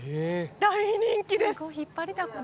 大人気です